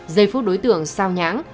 giây phút đối tượng sao nhãng